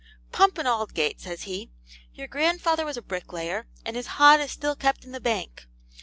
'Pump and Aldgate, says he, 'your grandfather was a bricklayer, and his hod is still kept in the bank.